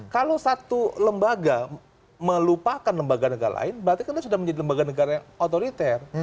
kalau satu lembaga melupakan lembaga negara lain berarti kan dia sudah menjadi lembaga negara yang otoriter